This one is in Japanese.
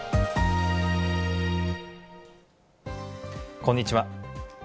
こんにちは。